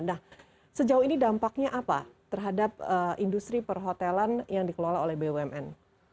nah sejauh ini dampaknya apa terhadap industri perhotelan yang dikelola oleh bumn